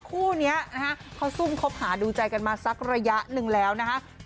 คู่นี้นะฮะเขาซุ่มคบหาดูใจกันมาสักระยะหนึ่งแล้วนะคะ